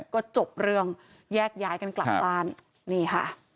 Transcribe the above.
ก็จบเรื่องแยกย้ายกันกลับบ้านนี่ค่ะ